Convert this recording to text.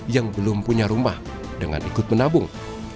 yang belum punya rumah dengan ikut menabung